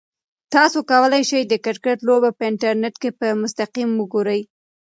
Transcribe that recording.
تاسو کولای شئ چې د کرکټ لوبه په انټرنیټ کې په مستقیم وګورئ.